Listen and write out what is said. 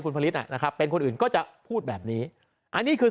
คุณผลิตอ่ะนะครับเป็นคนอื่นก็จะพูดแบบนี้อันนี้คือ